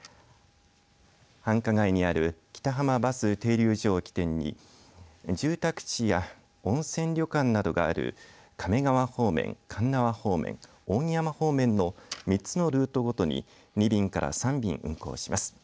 繁華街にある北浜バス停留所を起点に住宅地や温泉旅館などがある亀川方面、鉄輪方面扇山方面の３つのルートごとに２便から３便運行します。